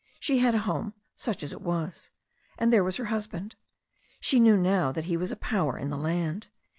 She had a home, such as it was. And there was her husband. She knew now that he was a power in the land.